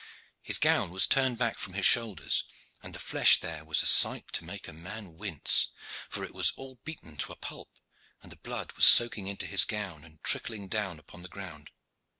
His gown was turned back from his shoulders, and the flesh there was a sight to make a man wince, for it was all beaten to a pulp, and the blood was soaking into his gown and trickling down upon the ground.